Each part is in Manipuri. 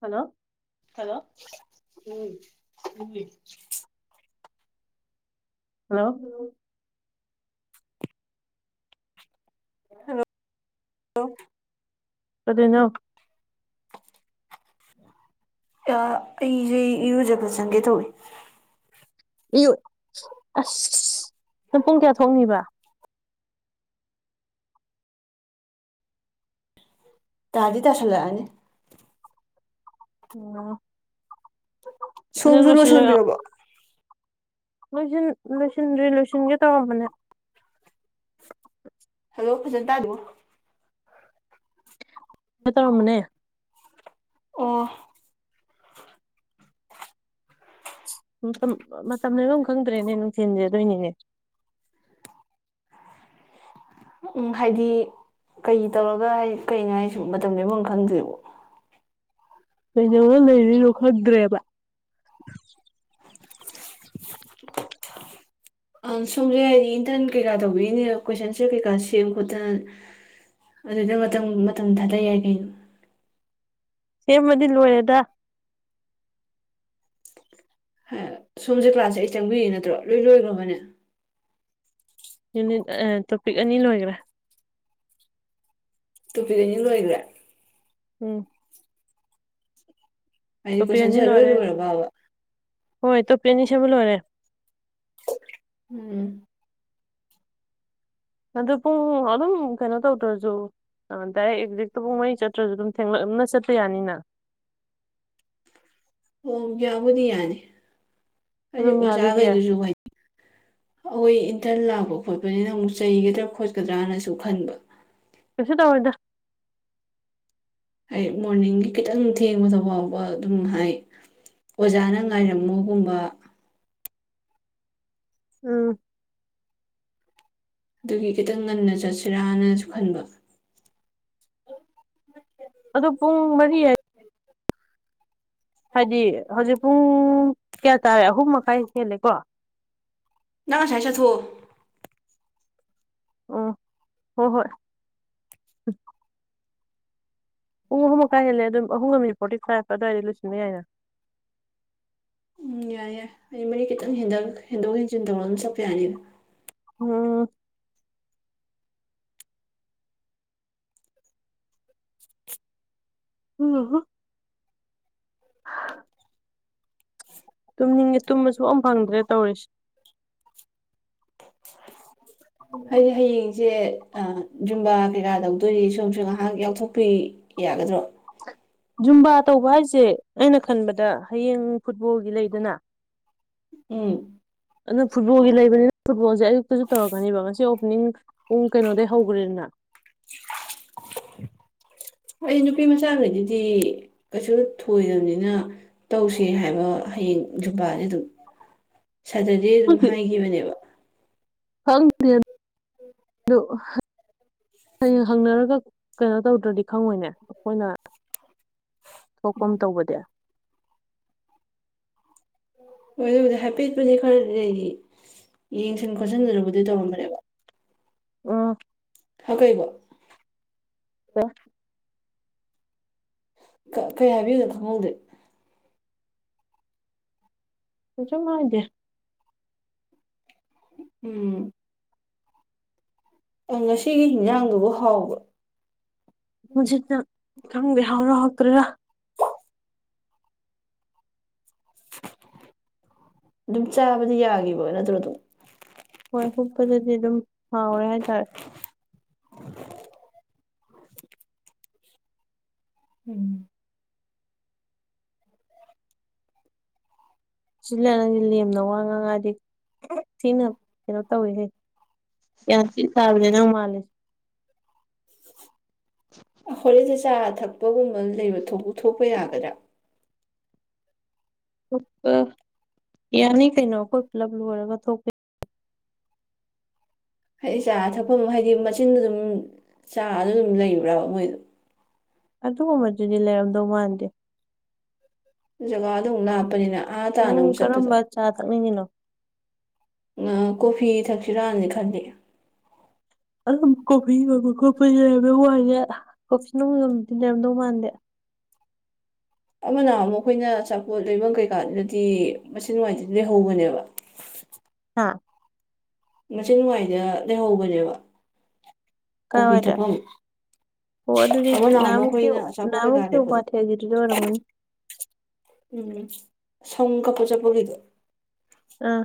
ꯍꯜꯂꯣ ꯍꯜꯂꯣ [unintelligible] ꯍꯜꯂꯣ ꯍꯜꯂꯣ [unintelligible] ꯀꯩꯗꯩꯔꯤꯅꯣ ꯑꯩꯖꯦ ꯏꯔꯨꯖꯕ ꯆꯪꯒꯦ ꯇꯧꯔꯤ [unintelligible] ꯑꯁ ꯅꯪ ꯄꯨꯡ ꯀꯌꯥ ꯊꯣꯛꯅꯤꯕ ꯇꯥꯗꯤ ꯇꯥꯥꯁꯜꯂꯛꯑꯅꯤ ꯑꯣ ꯅꯪ ꯁꯣꯝꯖꯨ ꯂꯣꯏꯁꯟꯕꯤꯔꯕꯣ ꯂꯣꯏꯖꯤꯟ ꯂꯣꯏꯁꯤꯟꯗ꯭ꯔꯤ ꯂꯣꯏꯁꯤꯟꯒꯦ ꯇꯧꯔꯝꯕꯅꯦ ꯗꯣ ꯐꯖꯟ ꯇꯥꯗꯦꯕꯣ ꯈꯥ ꯇꯧꯔꯝꯃꯅꯦ ꯑꯣ ꯃꯇꯝ ꯃꯇꯝ ꯂ ꯑꯗꯨꯝ ꯈꯪꯗ꯭ꯔꯦꯅꯦ ꯅꯨꯡꯊꯤꯟꯁꯦ ꯑꯗꯨꯏꯅꯤꯅꯦ ꯎꯝ ꯍꯥꯏꯗꯤ ꯀꯩ ꯇꯧꯔꯒ ꯍꯥꯏꯗꯤ ꯀꯩꯅꯣ ꯍꯥꯏꯁꯤꯕꯣ ꯃꯇꯝ ꯂꯦꯟꯕꯝ ꯈꯪꯗ꯭꯭ꯔꯦꯕꯣ ꯀꯩꯗꯧꯔ ꯂꯩꯗꯣꯏꯅꯣ ꯈꯪꯗ꯭ꯔꯦꯕ [unintelligible] ꯁꯣꯝꯁꯦ ꯍꯥꯏꯗꯤ ꯏꯟꯇꯔꯟ ꯀꯩꯀꯥ ꯇꯧꯕꯤꯔꯤꯅꯦ ꯀꯣꯏꯁꯟꯁꯦ ꯀꯩꯀꯥ ꯁꯦꯝ ꯈꯣꯠꯇꯅ ꯑꯗꯨꯗ ꯃꯇꯝ ꯃꯇꯝ ꯊꯥꯗ ꯌꯥꯏ ꯀꯩꯅꯣ ꯁꯦꯝꯕꯗꯤ ꯂꯣꯏꯔꯦꯗ ꯁꯣꯝꯁꯦ ꯀ꯭ꯂꯥꯁ ꯑꯩꯠ ꯆꯪꯕꯤꯔꯛꯏ ꯅꯠꯇ꯭ꯔꯣ ꯂꯣꯏ ꯂꯣꯏꯈ꯭ꯔꯕꯅꯦ ꯌꯨꯅꯤꯠ ꯑ ꯇꯣꯄꯤꯛ ꯑꯅꯤ ꯂꯣꯏꯒꯔꯦ ꯇꯣꯄꯤꯛ ꯑꯅꯤ ꯂꯣꯏ꯭ꯒꯔꯦ ꯎꯝ ꯍꯥꯏꯗꯤ ꯇꯣꯄꯤꯛ ꯑꯅꯤ ꯀꯣꯏꯁꯟꯁꯦ ꯂꯣꯏ ꯂꯣꯏꯔꯦ ꯂꯣꯏꯔꯕꯕ ꯍꯣꯏ ꯇꯣꯄꯤꯛ ꯑꯅꯤ ꯁꯦꯝꯕ ꯂꯣꯏꯔꯦ ꯎꯝ ꯑꯗꯨ ꯄꯨꯡ ꯑꯗꯨꯝ ꯀꯩꯅꯣ ꯇꯧꯗꯔꯖꯨ ꯑ ꯗꯥꯏꯔꯦꯛ ꯑꯦꯛꯖꯦꯛꯇꯨ ꯄꯨꯡ ꯃꯔꯤ ꯆꯠꯇ꯭ꯔꯁꯨ ꯑꯗꯨꯝ ꯊꯦꯡꯂꯞꯅ ꯆꯠꯄ ꯌꯥꯅꯤꯅ ꯑꯣ ꯌꯥꯕꯨꯗꯤ ꯌꯥꯅꯤ ꯍꯥꯏꯗꯤ ꯑꯗꯨꯝ ꯌꯥꯗꯣꯏꯗꯤ ꯌꯥꯏ ꯑꯣꯖꯥꯒꯩꯗꯨꯁꯨ [unintelligible] ꯍꯣꯏ ꯏꯟꯇꯔꯟ ꯂꯥꯛꯄ ꯈꯣꯠꯄꯅꯤꯅ ꯑꯃꯨꯛ ꯆꯩꯒꯗ꯭ꯔꯥ ꯈꯣꯠꯀꯗ꯭ꯔꯥꯅꯁꯨ ꯈꯟꯕ ꯀꯩꯁꯨ ꯇꯧꯔꯣꯏꯗ ꯍꯥꯏꯗꯝ ꯃꯣꯔꯅꯤꯡꯒꯤ ꯈꯤꯇꯪ ꯊꯦꯡꯕꯗꯐꯥꯎꯕ ꯑꯗꯨꯝꯅ ꯍꯥꯏ ꯑꯣꯖꯥꯅ ꯉꯥꯏꯔꯝꯃꯣꯒꯨꯝꯕ ꯎꯝ ꯑꯗꯨꯒꯤ ꯈꯤꯇꯪ ꯉꯟꯅ ꯆꯠꯁꯤꯔꯥꯅꯁꯨ ꯈꯟꯕ ꯑꯗꯣ ꯄꯨꯡ ꯃꯔꯤ ꯍꯥꯏ ꯍꯥꯏꯗꯤ ꯍꯧꯖꯤꯛ ꯄꯨꯡ ꯀꯌꯥ ꯇꯥꯔꯦ ꯑꯍꯨꯝ ꯃꯈꯥꯏ ꯍꯦꯜꯂꯦꯀꯣ ꯅꯪ ꯑꯁꯥꯏ ꯆꯠꯊꯣꯛꯑꯣ ꯑꯣ ꯍꯣꯏ ꯍꯣꯏ ꯄꯨꯡ ꯑꯍꯨꯝ ꯃꯈꯥꯏ ꯍꯦꯜꯂꯦ ꯑꯗꯨꯝ ꯑꯍꯨꯝꯒ ꯃꯤꯅꯤꯠ ꯐꯣꯔꯇꯤ ꯐꯥꯏꯚ ꯑꯗꯥꯏꯗ ꯂꯣꯏꯁꯤꯟꯕ ꯌꯥꯏꯅ ꯎꯝ ꯌꯥꯏ ꯌꯥꯏ ꯑꯩ ꯃꯔꯤ ꯈꯤꯇꯪ ꯍꯦꯟꯗꯔꯒ ꯍꯦꯟꯗꯣꯛ ꯍꯦꯟꯖꯤꯟ ꯇꯧꯔꯒ ꯑꯗꯨꯝ ꯆꯠꯄ ꯌꯥꯅꯤꯅ ꯑꯣ [unintelligible] [inaudible] ꯇꯨꯝꯅꯤꯡꯉꯦ ꯇꯨꯝꯕꯁꯨ ꯐꯪ ꯐꯪꯗ꯭ꯔꯦ ꯇꯧꯔꯤꯁꯦ ꯍꯥꯏꯗꯤ ꯍꯌꯦꯡꯁꯦ ꯑꯥ ꯖꯨꯝꯕꯥ ꯀꯩꯀꯥꯗꯧ ꯗꯨꯏ ꯁꯣꯝꯁꯨ ꯉꯥꯍꯥꯛ ꯌꯥꯎꯊꯣꯛꯄꯤ ꯌꯥꯒꯗ꯭ꯔꯣ ꯖꯨꯝꯕꯥ ꯇꯧꯕ ꯍꯥꯏꯁꯦ ꯑꯩꯅ ꯈꯟꯕꯗ ꯍꯌꯦꯡ ꯐꯨꯠꯕꯣꯜꯒꯤ ꯂꯩꯗꯅ ꯎꯝ ꯑꯗꯨꯅ ꯐꯨꯠꯕꯣꯜꯒꯤ ꯂꯩꯕꯅꯤꯅ ꯐꯨꯠꯕꯣꯜꯖꯦ ꯑꯌꯨꯛꯇꯖꯨ ꯇꯧꯔꯛꯀꯅꯦꯕ ꯉꯁꯤ ꯑꯣꯄꯅꯤꯡ ꯄꯨꯡ ꯀꯩꯅꯣꯗꯩ ꯍꯧꯒꯔꯦꯗꯅ [inaudible] ꯑꯩ ꯅꯨꯄꯤ ꯃꯆꯥꯒꯩꯗꯗꯤ ꯀꯩꯁꯨ ꯊꯣꯏꯗꯕꯅꯤꯅ ꯇꯧꯁꯦ ꯍꯥꯏꯕ ꯍꯌꯦꯡ ꯖꯨꯞꯄꯥꯖꯦ ꯑꯗꯨꯝ ꯁꯇꯔꯗꯦ ꯑꯗꯨꯝ ꯈꯪꯗꯦ ꯍꯥꯏꯒꯤꯕꯅꯦꯕ [unintelligible] ꯍꯤꯌꯦꯡ ꯍꯪꯅꯔꯒ ꯀꯩꯅꯣ ꯇꯧꯗ꯭ꯔꯗꯤ ꯈꯪꯉꯣꯏꯅꯦ ꯑꯩꯈꯣꯏꯅ ꯊꯣꯛꯄ ꯑꯃ ꯎꯝ ꯇꯧꯕꯗꯤ ꯍꯣꯏ ꯑꯗꯨꯕꯨꯗꯤ ꯍꯥꯏꯐꯦꯠꯄꯨꯗꯤ ꯈꯔ ꯂꯩꯔꯤ ꯌꯦꯡꯁꯤꯟ ꯈꯣꯠꯆꯤꯟꯗꯨꯅꯗꯤ ꯇꯧꯔꯝꯕꯅꯦꯕ ꯑꫭ ꯍꯥ ꯀꯩꯕꯨ [unintelligible] ꯀꯩ ꯍꯥꯏꯕꯤꯌꯨꯗꯅꯣ ꯈꯪꯍꯧꯗꯦ ꯀꯩꯁꯨꯝ ꯍꯥꯏꯗꯦ ꯎꯝ ꯑꯦ ꯉꯁꯤꯒꯤ ꯍꯤꯟꯖꯥꯡꯗꯨꯕꯨ ꯍꯥꯎꯕꯔꯣ ꯄꯨꯟꯁꯤꯠꯇ ꯈꯪꯗꯦ ꯍꯥꯎꯔꯤꯔ ꯍꯧꯛꯇ꯭ꯔꯤꯔꯥ ꯑꯗꯨꯝ ꯆꯥꯕꯗꯤ ꯌꯥꯒꯤꯕ ꯅꯠꯇ꯭ꯔꯣ ꯑꯗꯨꯝ ꯍꯣꯏ ꯍꯨꯞꯄꯗꯗꯤ ꯑꯗꯨꯝ ꯍꯥꯎꯔꯦ ꯍꯥꯏꯇꯥꯔꯦ [inaudible] ꯎꯝ ꯆꯤꯂꯥ ꯅꯪꯗꯤ ꯂꯦꯝꯅ ꯋꯥ ꯉꯥꯉꯛꯑꯗꯤ ꯊꯤꯅ ꯀꯩꯅꯣ ꯇꯧꯏ ꯍꯦ ꯒꯌꯥꯟ ꯊꯤ ꯇꯥꯕꯅꯦ ꯅꯪ ꯃꯥꯜꯂꯤꯁꯦ [inaudible] ꯍꯣꯔꯦꯟꯁꯦ ꯆꯥ ꯊꯛꯄꯒꯨꯝꯕ ꯂꯩꯕ ꯊꯄ ꯊꯣꯛꯄ ꯌꯥꯒꯗ꯭ꯔꯥ ꯊꫭꯛꯄꯥ ꯌꯥꯅꯤ ꯀꯩꯅꯣ ꯑꯩꯈꯣꯏ ꯄꯨꯂꯞ ꯂꯣꯏꯔꯒ ꯊꯣꯛꯀꯦ ꯍꯥꯏꯗꯤ ꯆꯥ ꯊꯛꯐꯝ ꯍꯥꯏꯗꯤ ꯃꯆꯤꯟꯗꯨ ꯑꯗꯨꯝ ꯆꯥ ꯑꯗꫭ ꯑꯗꯨꯝ ꯂꯩꯕ꯭ꯔꯕ ꯃꯣꯏꯗꯣ ꯑꯗꯨꯒꯨꯝꯕꯗꯨꯗꯤ ꯂꯩꯔꯝꯗꯧ ꯃꯥꯟꯗꯦ ꯖꯒꯥꯗꫭ ꯑꯃꯨꯛ ꯂꯞꯄꯅꯤꯅ ꯅꯪ ꯀꯔꯝꯕ ꯆꯥ ꯊꯛꯅꯤꯡꯉꯤꯅꯣ ꯀꯣꯐꯤ ꯊꯛꯁꯤꯔꯅꯗꯤ ꯈꯟꯂꯤ ꯑꯗꯨꯝ ꯀꯣꯐꯤ ꯌꫭꯟꯕ ꯈꯣꯠꯄ ꯂꯩꯔꯝꯗꯧ ꯃꯥꯟꯗꯦ ꯀꯣꯐꯤ ꯅꯨꯟ ꯌꫭꯟꯕꯗꯤ ꯂꯩꯔꯝꯗꯧ ꯃꯥꯟꯗꯦ ꯑꯃꯅ ꯑꯃꯨꯛ ꯑꯩꯈꯣꯏꯅ ꯑꯆꯥꯄꯣꯠ ꯂꯩꯐꯝ ꯀꯩꯀꯥꯗꯨꯗꯗꯤ ꯃꯁꯤꯡ ꯋꯥꯏꯗꯗꯤ ꯂꯩꯍꯧꯕꯅꯦꯕ ꯍꯥꯥ ꯃꯆꯤꯟ ꯅꯋꯥꯏꯗ ꯂꯩꯍꯧꯕꯅꯦꯕ ꯀꯣꯐꯤ ꯀꯥꯏꯋꯥꯏꯗ ꯊꯛꯐꯝ ꯑꯣ ꯑꯗꯨꯗꯤ ꯑꯃ ꯅꯍꯥꯟꯃꯛ ꯅꯍꯥꯟꯃꯨꯛꯀꯤ ꯑꯩꯈꯣꯏꯅ ꯑꯆꯥꯄꯣꯠ ꯀꯩꯀꯥ ꯅꯍꯥꯟꯃꯨꯛꯀꯤ ꯂꯩꯔꯛꯄꯗꯣ ꯎꯃꯥꯊꯦꯜꯒꯤꯗꯨꯗ ꯑꯣꯏꯔꯝꯒꯅꯤ ꯎꯝ ꯁꯝ ꯀꯛꯄ ꯆꯠꯄꯒꯤꯗꯣ ꯑꯥ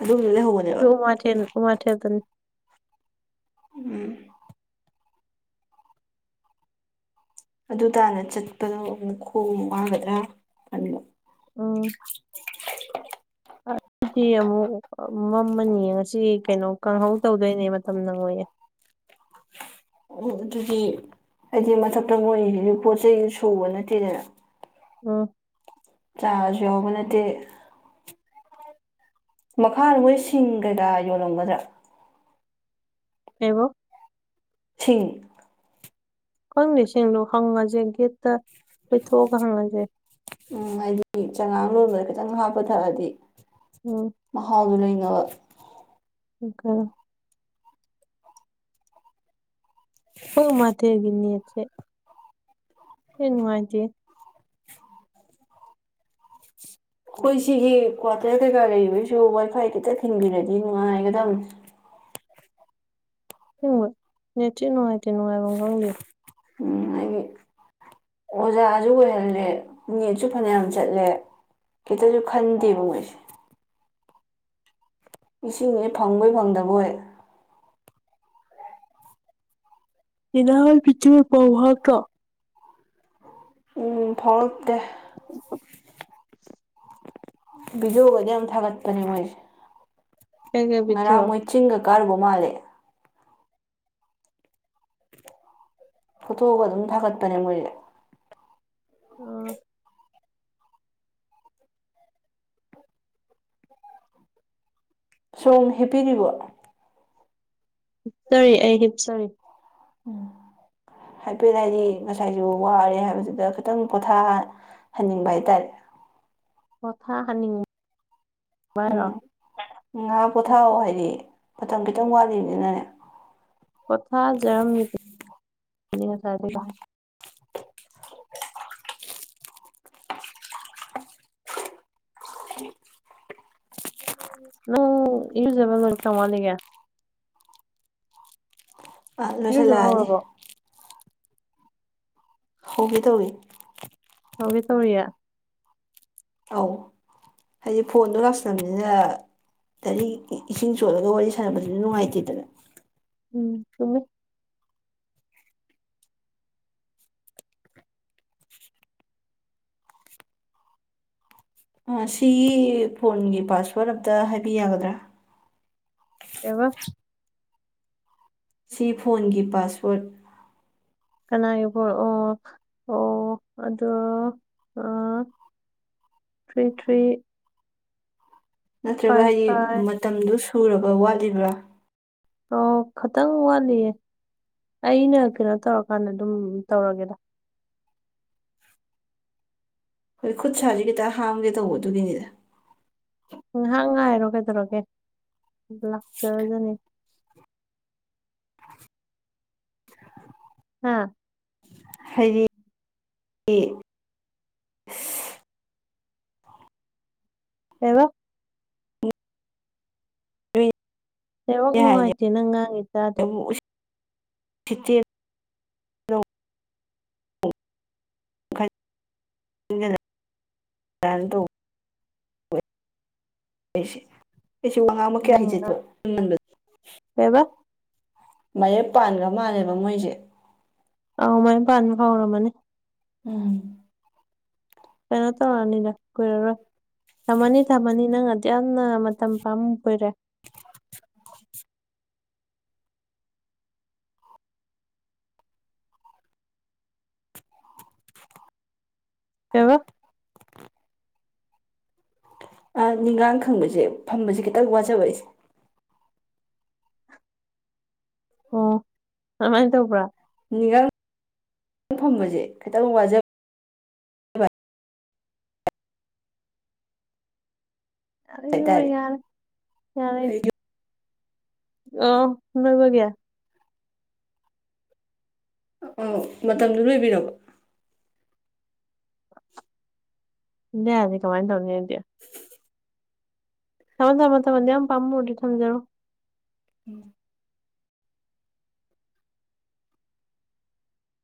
ꯑꯗꯨꯗꯥ ꯂꯩꯍꯧꯕꯅꯦ ꯑꯗꯨ ꯎꯃꯥꯊ ꯎꯃꯥꯊ ꯗꯅꯤ ꯎꯝ ꯑꯗꯨ ꯇꯥꯅ ꯆꯠꯄꯗꯣ ꯈꯣꯡ ꯋꯥꯒꯗ꯭ꯔꯥ ꯈꯥꯟꯕ ꯑꯥ ꯁꯤꯗꯤ ꯑꯃꯨꯛ ꯃꯝꯃꯅꯤ ꯉꯁꯤ ꯀꯩꯅꯣ ꯀꯪꯡꯍꯧ ꯇꯧꯗꯣꯏꯅꯦ ꯃꯇꯝ ꯅꯪꯉꯣꯏꯌꯦ ꯑꯣ ꯑꯗꯨꯗꯤ ꯑꯩꯗꯤ ꯃꯊꯛꯇ ꯃꯣꯏꯔꯤꯁꯤꯁꯨ ꯄꯣꯠ ꯆꯩ ꯁꯨꯕ ꯅꯠꯇꯦꯗꯅ ꯑꯣ ꯆꯥꯔꯁꯨ ꯌꯥꯎꯕ ꯅꯠꯇꯦ ꯃꯈꯥ ꯃꯣꯏ ꯁꯤꯡ ꯀꯩꯗꯥ ꯌꯣꯜꯂꯝꯒꯗ꯭ꯔꯥ ꯍꯕꯨ ꯁꯤ ꯈꯈꯪ ꯂꯤꯁꯤꯡꯗꯣ ꯍꯪꯉꯁꯦ ꯒꯦꯠꯇ ꯀꯣꯏꯊꯣꯛꯑꯒ ꯍꯪꯉꯁꯦ ꯎꯝ ꯍꯥꯏꯗꯤ ꯆꯉꯥꯡ ꯂꯣꯕꯗ ꯈꯤꯇꯪ ꯍꯥꯞꯄ ꯊꯛꯑꯗꯤ ꯎꯝ ꯃꯍꯥꯎꯗꯨ ꯂꯩꯅꯕ ꯏꯀ [unintelligible] ꯍꯣ ꯃꯥꯊꯦꯒꯤ ꯅꯦꯠꯁꯦ ꯍꯣꯏ ꯅꯨꯡꯉꯥꯏꯇꯦ ꯑꯩꯈꯣꯏ ꯁꯤꯒꯤ ꯀ꯭ꯋꯥꯇꯔ ꯀꯩꯀꯥ ꯂꯩꯕꯩꯁꯤꯁꯨ ꯋꯥꯏꯐꯥꯏ ꯈꯤꯇ ꯈꯤꯟꯕꯤꯔꯗꯤ ꯅꯨꯡꯉꯥꯏꯒꯗꯕꯅꯦ ꯍꯣꯏ ꯅꯦꯠꯁꯦ ꯅꯨꯡꯉꯥꯏꯇꯦ ꯅꯨꯡꯉꯥꯏꯕꯝ ꯈꯪꯗꯦ ꯎꯝ ꯍꯥꯏꯌꯨ ꯑꯣꯖꯥꯁꯨ ꯑꯣꯏꯍꯜꯗꯦ ꯅꯦꯠꯁꯨ ꯐꯅꯌꯥꯝ ꯆꯠꯂꯦ ꯈꯤꯇꯁꯨ ꯈꯟꯗꯦꯕ ꯃꯣꯏꯁꯦ ꯏꯁꯤꯡꯅꯦ ꯐꯪꯕꯣꯏ ꯐꯪꯗꯕꯣꯏ ꯁꯤꯅꯍꯟ ꯕꯤꯗꯤꯑꯣ ꯇꯧ ꯍꯥꯏꯗ꯭ꯔꯣ ꯎ ꯐꯥꯎꯔꯛꯇꯦ ꯕꯤꯖꯣꯒꯗꯤ ꯌꯥꯝ ꯊꯥꯒꯠꯄꯅꯦ ꯃꯣꯏꯁꯦ ꯀꯩ ꯀꯩ ꯉꯔꯥꯡ ꯕꯤꯗꯤꯑꯣ ꯃꯣꯏ ꯆꯤꯡꯒ ꯀꯥꯔꯨꯕ ꯃꯥꯜꯂꯦ ꯐꯣꯊꯣꯛꯑꯒ ꯑꯗꯨꯝ ꯊꯥꯒꯠꯄꯅꯦ ꯃꯣꯏꯁꯦ ꯑꯣ ꯁꯣꯝ ꯍꯦꯞꯄꯤꯔꯤꯕꯣ ꯍꯤꯞꯆꯔꯤ ꯑꯩ ꯍꯤꯞꯆꯔꯤ [unintelligible] ꯍꯥꯏꯐꯦꯠ ꯍꯥꯏꯗꯤ ꯉꯁꯥꯏꯁꯨ ꯋꯥꯔꯦ ꯍꯥꯏꯕꯗꯨꯗ ꯈꯤꯇꯪ ꯄꯣꯊꯥꯍꯟꯅꯤꯡꯕ ꯍꯥꯏꯇꯥꯔꯦ ꯄꯣꯊꯥꯍꯟꯅꯤꯡ ꯎꯝ ꯉꯥꯏꯍꯥꯛ ꯄꯣꯊꯔꯣ ꯍꯥꯏꯔꯛ ꯑꯦ ꯃꯇꯝ ꯈꯤꯇꯪ ꯋꯥꯠꯂꯤꯕꯅꯅꯦ ꯄꯣꯊꯖꯔꯝꯃꯦ ꯉꯁꯥꯏꯗꯨꯗ ꯅꯪ ꯏꯌꯨꯖꯒꯗ ꯀꯌꯥꯝ ꯋꯥꯠꯂꯤꯒꯦ ꯑꯥ ꯏꯔꯨꯖꯕ ꯂꯣꯏꯁꯤꯜꯂꯛꯑꯅꯤ ꯍꯧꯔꯕꯣ ꯍꯧꯒꯦ ꯇꯧꯋꯦ ꯍꯧꯒꯦ ꯇꯧꯔꯤꯌꯦ ꯑꯧ ꯍꯥꯏꯗꯤ ꯐꯣꯟꯗꯣ ꯂꯥꯛꯁꯟꯕꯅꯤꯅ ꯒꯥꯔꯤ ꯏꯁꯤꯡ ꯆꯣꯠꯂꯒ ꯋꯥꯔꯤ ꯁꯥꯟꯅꯕꯗꯨꯁꯨ ꯅꯨꯡꯉꯥꯏꯇꯦꯗꯅ ꯎꯝ ꯆꯨꯝꯃꯦ ꯁꯤ ꯐꯣꯟꯒꯤ ꯄꯥꯁꯋꯥꯔꯗ ꯑꯝꯇ ꯍꯥꯏꯕꯤ ꯌꯥꯒꯗ꯭ꯔꯥ ꯀꯩꯕ ꯁꯤ ꯐꯣꯟꯒꯤ ꯄꯥꯁꯋꯥ꯭ꯔꯠ ꯀꯅꯥꯒꯤ ꯐꯣꯟ ꯑꯣ ꯑꯣ ꯑꯣ ꯑꯗꯣ ꯑꯣ ꯊ꯭ꯔꯤ ꯊ꯭ꯔꯤ ꯅꯠꯇ꯭ꯔꯒ ꯐꯥꯏꯚ ꯍꯥꯏꯗꯤ ꯐꯥꯏꯚ ꯃꯇꯝꯗꯨ ꯁꯨꯔꯕ ꯋꯥꯠꯂꯤꯕ꯭ꯔꯥ ꯑꯣ ꯈꯤꯇꯪ ꯋꯥꯠꯂꯤꯌꯦ ꯑꯩꯅ ꯀꯩꯅꯣ ꯇꯧꯔꯀꯥꯟꯗ ꯑꯗꯨꯝ ꯇꯧꯔꯒꯦꯗ ꯍꯣꯏ ꯈꯨꯠ ꯁꯥꯥꯁꯦ ꯈꯤꯇ ꯍꯥꯝꯒꯦ ꯇꯧꯕ ꯑꯗꯨꯒꯤꯅꯤꯗ ꯉꯥꯏꯍꯥꯛ ꯉꯥꯏꯔꯣ ꯀꯩꯗꯧꯔꯒꯦ ꯂꯥꯛꯆꯔꯖꯅꯤ [inaudible] ꯍꯥꯥ ꯍꯥꯏꯗꯤ ꯀꯩꯕ ꯅꯣꯏꯅꯦ ꯅꯦꯠꯋꯛ ꯍꯥꯏꯁꯦ ꯅꯨꯡꯉꯥꯏꯇꯦ ꯅꯪ ꯉꯥꯡꯉꯤꯗꯣ ꯇꯥꯗꯦ ꯑꯃꯨꯛ [unintelligible] [unintelligible] ꯅꯪ ꯉꯥꯡ [unintelligible] ꯀꯩꯕ ꯃꯌꯦꯛ ꯄꯥꯟꯈ꯭ꯔ ꯃꯥꯜꯂꯦꯕ ꯃꯣꯏꯁꯦ ꯑꯥꯎ ꯃꯥꯏꯨꯝ ꯄꯥꯟꯕ ꯐꯥꯎꯔꯝꯃꯅꯤ ꯎꯝ ꯀꯩꯅꯣ ꯇꯧꯔꯅꯤꯗ ꯀꯨꯏꯔꯔꯣꯏ ꯊꯝꯃꯅꯤ ꯊꯝꯃꯅꯤ ꯅꯪ ꯑꯗꯨ ꯌꯥꯝꯅ ꯃꯇꯝ ꯄꯝꯃꯨꯕꯣꯏꯔꯦ [unintelligible] ꯀꯩꯕ ꯅꯤꯡꯒꯥꯡ ꯈꯪꯕꯁꯦ ꯐꯝꯕꯁꯦ ꯈꯤꯇꯪ ꯋꯥꯖꯕ ꯑꯩꯁꯦ ꯑꯣ ꯑꯗꯨꯃꯥꯏꯅ ꯇꯧꯕ꯭ꯔꯥ ꯅꯤꯡꯥꯡ ꯐꯪꯕꯁꯦ ꯈꯤꯇꯪ ꯋꯥꯖꯕ ꯌꯥꯔꯦ ꯏꯕꯦꯝꯃ ꯍꯥꯏꯇꯥꯔꯦ ꯌꯥꯔꯦ ꯌꯥꯔꯦ ꯍꯥꯏꯗꯤ ꯑ ꯁꯃꯔꯤꯕꯒꯌꯥ ꯑꯥ ꯃꯇꯝꯗꯨ ꯂꯣꯏꯕꯤꯔꯕꯣ ꯁꯤꯟꯗ ꯌꯔꯔꯣꯏ ꯀꯃꯥꯏꯅ ꯇꯧꯅꯤ ꯑꯧꯗꯤ [inaudible] ꯊꯝꯃꯣ ꯊꯝꯃꯣ ꯃꯇꯝ ꯑꯗꯨꯛꯌꯥꯝ ꯄꯥꯃꯨꯔꯗꯤ ꯊꯝꯖꯔꯣ ꯎꯝ